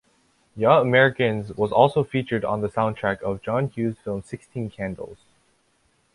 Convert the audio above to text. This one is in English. "Young Americans" was also featured on the soundtrack of John Hughes' film "Sixteen Candles".